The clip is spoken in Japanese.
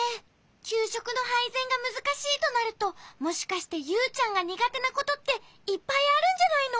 きゅうしょくのはいぜんがむずかしいとなるともしかしてユウちゃんがにがてなことっていっぱいあるんじゃないの？